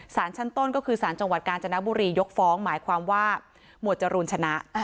สารชั้นต้นก็คือสารจังหวัดกาญจนบุรียกฟ้องหมายความว่าหมวดจรูนชนะ